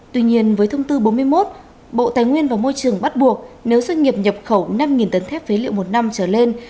tuy nhiên với thông tư bốn mươi một bộ tài nguyên và môi trường bắt buộc nếu doanh nghiệp nhập khẩu năm tấn thép phế liệu một năm trở lên